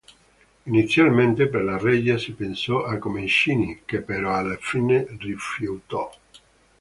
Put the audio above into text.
Inizialmente per la regia si pensò a Comencini, che però alla fine rifiutò.